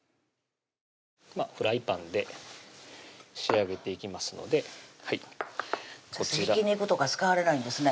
フライパンで仕上げていきますのでひき肉とか使われないんですね